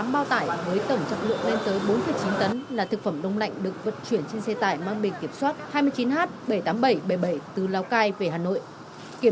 tám bao tải với tổng trọng lượng lên tới bốn chín tấn là thực phẩm đông lạnh được vận chuyển trên xe tải mang bình kiểm soát hai mươi chín h bảy mươi tám nghìn bảy trăm bảy mươi bảy từ lào cai về hà nội